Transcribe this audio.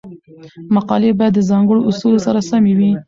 مقالې باید د ځانګړو اصولو سره سمې وي.